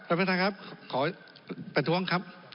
พระพระท่านครับขอประท้วงครับ